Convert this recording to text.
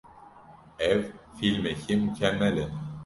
Ev fîlmekî mukemel e.